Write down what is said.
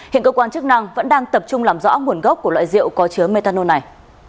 hiện cơ quan chức năng vẫn đang tập trung làm rõ nguồn gốc của loại rượu có chứa methanol này